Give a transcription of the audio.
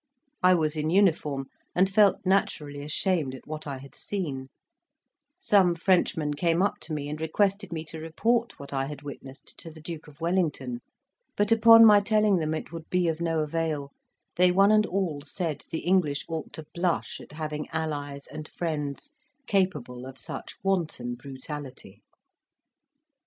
I was in uniform, and felt naturally ashamed at what I had seen: some Frenchmen came up to me and requested me to report what I had witnessed to the Duke of Wellington; but, upon my telling them it would be of no avail, they one and all said the English ought to blush at having allies and friends capable of such wanton brutality.